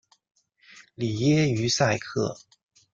里耶于塞克。